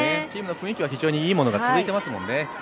チームの雰囲気は非常にいいものが続いていますもんね。